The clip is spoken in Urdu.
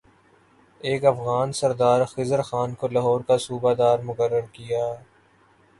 ایک افغان سردار خضر خان کو لاہور کا صوبہ دار مقرر کیا